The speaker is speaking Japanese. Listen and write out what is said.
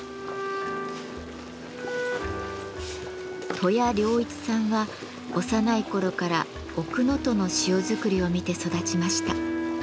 登谷良一さんは幼い頃から奥能登の塩作りを見て育ちました。